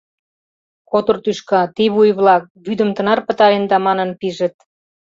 «Котыр тӱшка, тий вуй-влак, вӱдым тынар пытаренда» манын пижыт.